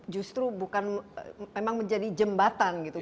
justru bukan memang menjadi jembatan gitu